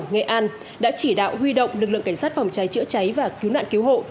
nghệ an đã chỉ đạo huy động lực lượng cảnh sát phòng cháy chữa cháy và cứu nạn cứu hộ